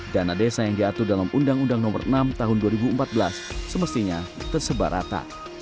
dana desa yang diatur dalam undang undang nomor enam tahun dua ribu empat belas semestinya tersebar rata